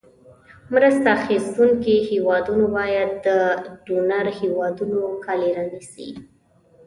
مرسته اخیستونکې هېوادونو باید د ډونر هېوادونو کالي رانیسي.